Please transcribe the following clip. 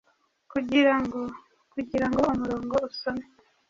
kugirango kugirango umurongo usome